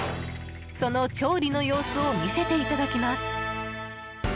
その調理の様子を見せていただきます。